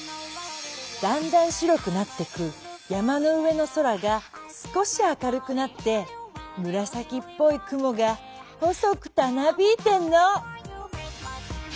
だんだん白くなってく山の上の空がすこしあかるくなって紫っぽい雲が細くたなびいてんの。